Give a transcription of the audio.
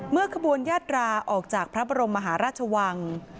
เมื่อขบวนญาตราออกจากพระบรมราชวัง